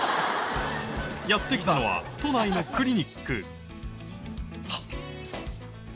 やって来たのは都内のクリニックはっ。